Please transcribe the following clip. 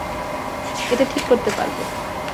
এটা ঠিক করতে পারবো।